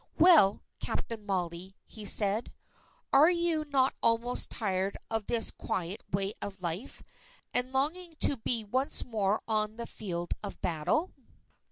"Well, Captain Molly," he said, "are you not almost tired of this quiet way of life; and longing to be once more on the field of battle?"